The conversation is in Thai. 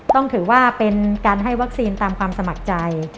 ต้องถือว่าเป็นการให้วัคซีนตามความสมัครใจ